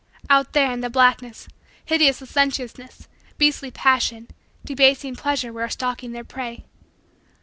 Out there, in the blackness, hideous licentiousness, beastly passion, debasing pleasure were stalking their prey.